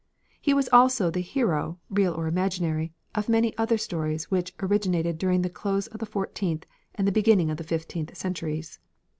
He was also the hero, real or imaginary, of many other stories which originated during the close of the fourteenth and the beginning of the fifteenth centuries.